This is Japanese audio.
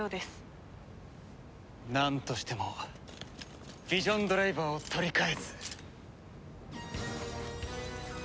なんとしてもヴィジョンドライバーを取り返す。